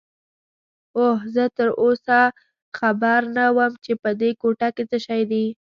اوه، زه تراوسه خبر نه وم چې په دې کوټه کې څه شی دي.